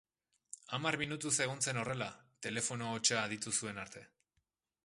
Hamar minutuz egon zen horrela, telefonohotsa aditu zuen arte.